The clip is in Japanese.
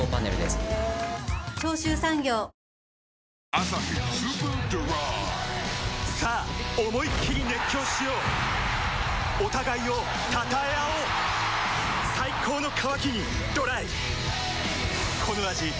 「アサヒスーパードライ」さあ思いっきり熱狂しようお互いを称え合おう最高の渇きにＤＲＹ